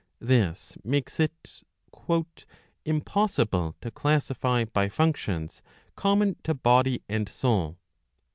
This makes it " impossible to classify by functions common to body and soul."